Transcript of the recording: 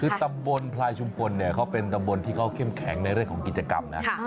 คือตำบลพลายชุมพลเนี่ยเขาเป็นตำบลที่เขาเข้มแข็งในเรื่องของกิจกรรมนะ